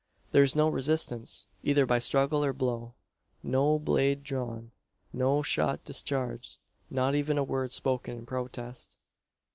There is no resistance, either by struggle or blow; no blade drawn; no shot discharged: not even a word spoken in protest!